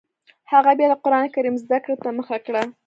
هغه بیا د قران کریم زده کړې ته مخه کړه